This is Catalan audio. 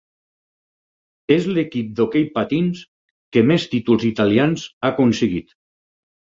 És l'equip d'hoquei patins que més títols italians ha aconseguit.